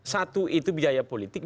satu itu biaya politik